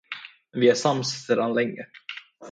Vi är sams sedan länge.